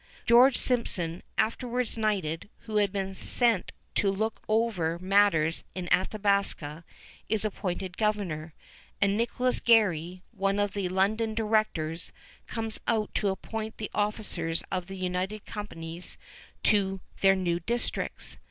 George Simpson, afterwards knighted, who has been sent to look over matters in Athabasca, is appointed governor, and Nicholas Garry, one of the London directors, comes out to appoint the officers of the united companies to their new districts.